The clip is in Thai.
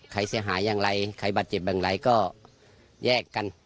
ใครเสียหายอย่างไรใครบาดเจ็บอย่างไรก็แยกกัน